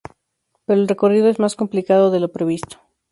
Pero el recorrido es más complicado de lo previsto…